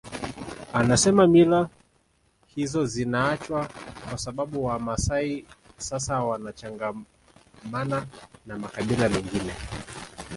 Anasema mila hizo zinaachwa kwa sababu Wamaasai sasa wanachangamana na makabila mengine